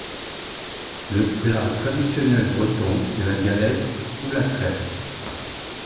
Le plat traditionnel breton est la galette ou la crêpe.